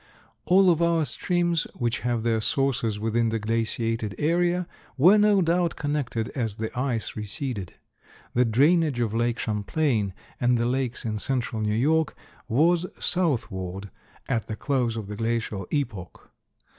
All of our streams which have their sources within the glaciated area were no doubt connected as the ice receded. The drainage of Lake Champlain and the lakes in central New York was southward at the close of the glacial epoch.